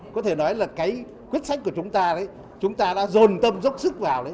có thể nói là cái quyết sách của chúng ta đấy chúng ta đã dồn tâm dốc sức vào đấy